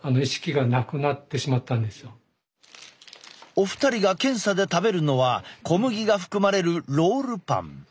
お二人が検査で食べるのは小麦が含まれるロールパン。